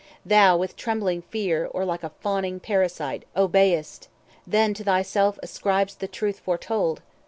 Thou, with trembling fear, Or like a fawning parasite, obey'st; Then to thyself ascrib'st the truth foretold.